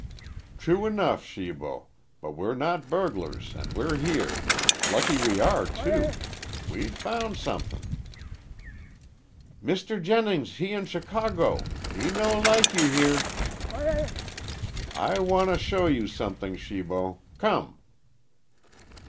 "True enough, Shibo. But we're not burglars an' we're here. Lucky we are too. We've found somethin'." "Mr. Jennings he in Chicago. He no like you here." "I want to show you somethin', Shibo. Come."